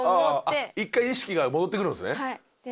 あっ一回意識が戻ってくるんですね？